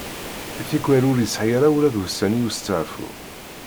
Tikwal ur yesɛi ara ula d ussan i usteɛfu.